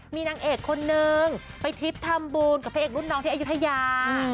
มีนางเอกคนนึงไปทริปทำบุญกับพระเอกรุ่นน้องที่อายุทยา